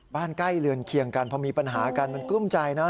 ใกล้เรือนเคียงกันพอมีปัญหากันมันกลุ้มใจนะ